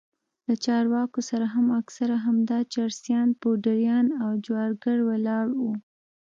له چارواکو سره هم اکثره همدا چرسيان پوډريان او جوارگر ولاړ وو.